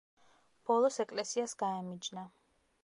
ბოლოს ეკლესიას გაემიჯნა.